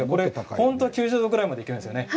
本当は９０度ぐらいまでいけるんですよね。